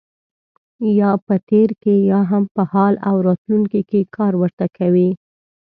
یا په تېر کې یا هم په حال او راتلونکي کې کار ورته کوي.